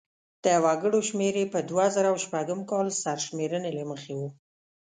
د وګړو شمېر یې په دوه زره شپږم کال سرشمېرنې له مخې و.